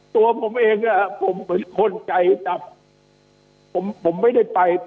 ตัวผมเองผมเป็นคนใจจับผมผมไม่ได้ไป